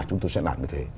chúng tôi sẽ làm như thế